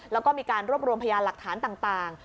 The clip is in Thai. แล้วก็มีการรวบรวมพยานหลักฐานต่าง